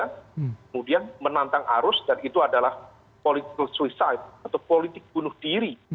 kemudian menantang arus dan itu adalah political suicide atau politik bunuh diri